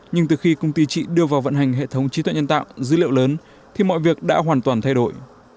nhưng từ khi công ty chị đưa vào vận hành hệ thống trí tuệ nhân tạo dữ liệu lớn thì mọi việc đã hoàn toàn thay đổi